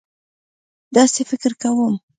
داسې فکر کوم.